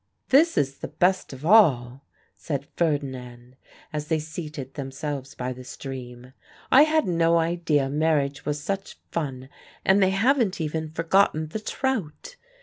"This is the best of all," said Ferdinand as they seated themselves by the stream. "I had no idea marriage was such fun. And they haven't even forgotten the trout!"